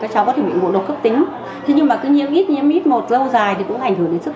các cháu có thể bị ngộ độc cấp tính thế nhưng mà cứ nhiễm ít một lâu dài thì cũng ảnh hưởng đến sức